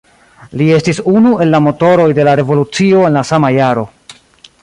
Li estis unu el la motoroj de la revolucio en la sama jaro.